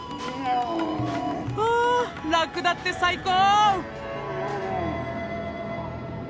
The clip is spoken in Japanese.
あラクダって最高！